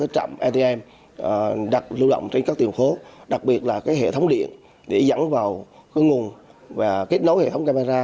trạm atm đặt lưu động trên các tiền phố đặc biệt là hệ thống điện để dẫn vào nguồn và kết nối hệ thống camera